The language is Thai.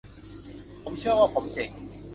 ผมเชื่อว่าผมเจ๋ง